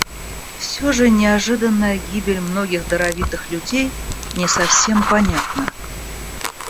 Все же неожиданная гибель многих даровитых людей не совсем понятна.